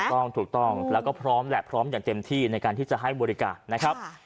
ถูกต้องถูกต้องแล้วก็พร้อมแหละพร้อมอย่างเต็มที่ในการที่จะให้บริการนะครับ